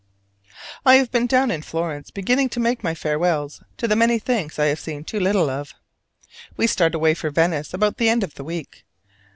I have been down in Florence beginning to make my farewells to the many things I have seen too little of. We start away for Venice about the end of the week.